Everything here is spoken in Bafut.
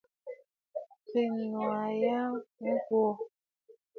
Bɨ nuʼu aa ǹjyâ ŋ̀gwò.